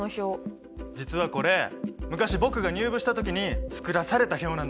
実はこれ昔僕が入部した時に作らされた表なんだ。